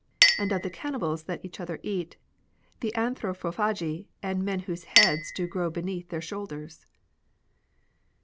*' And of the cannibals that each other eat, The Anthropophagi, and men whose heads Do grow beneath their shoulders."